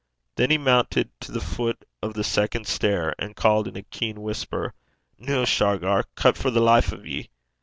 Then he mounted to the foot of the second stair, and called in a keen whisper, 'Noo, Shargar, cut for the life o' ye.'